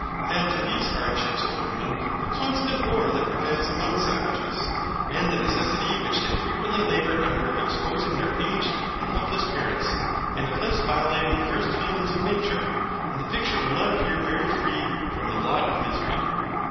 Add to these hardships of the women the constant war that prevails among savages, and the necessity which they frequently labour under of exposing their aged and helpless parents, and of thus violating the first feelings of nature, and the picture will not appear very free from the blot of misery.